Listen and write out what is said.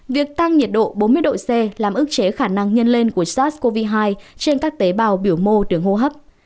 việc tăng nhiệt độ bốn mươi độ c làm ước chế khả năng nhân lên của sars cov hai trên các tế bào biểu mô đường hô hấp